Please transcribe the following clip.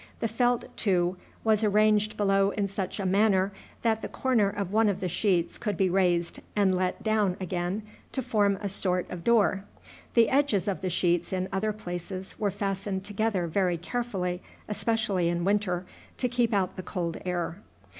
The felt, too, was arranged below in such a manner that the corner of one of the sheets could be raised and let down again to form a sort of door. The edges of the sheets in other places were fastened together very carefully, especially in winter, to keep out the cold air.